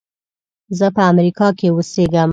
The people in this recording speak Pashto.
زه په امریکا کې اوسېږم.